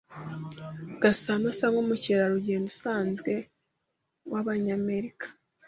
Gasana asa nkumukerarugendo usanzwe wabanyamerika.